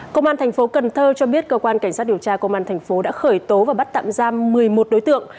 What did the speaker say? công an thành phố cần thơ cho biết cơ quan cảnh sát điều tra công an thành phố đã khởi tố và bắt tạm giam một mươi một đối tượng